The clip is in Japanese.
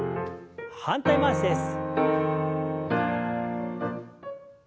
反対回しです。